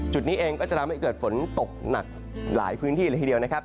จุดนี้เองก็จะทำให้เกิดฝนตกหนักหลายพื้นที่เลยทีเดียวนะครับ